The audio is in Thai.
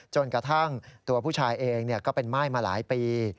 จนกระทั่งตัวผู้ชายเองก็เป็นม่ายมาหลายปี